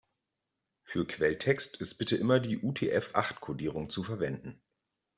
Für Quelltext ist bitte immer die UTF-acht-Kodierung zu verwenden.